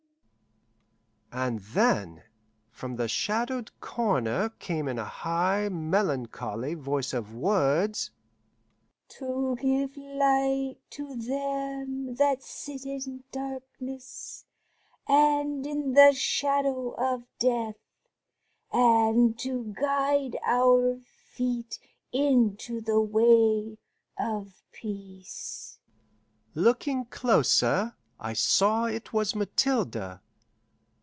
And then, from the shadowed corner came in a high, melancholy voice the words: "To give light to them that sit in darkness and in the shadow of death, and to guide our feet into the way of peace." Looking closer, I saw it was Mathilde.